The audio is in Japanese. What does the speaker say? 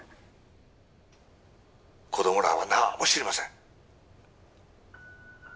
子供らは何も知りません